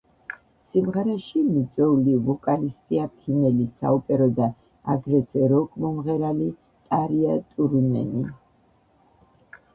სიმღერაში მიწვეული ვოკალისტია ფინელი საოპერო და აგრეთვე როკ-მომღერალი ტარია ტურუნენი.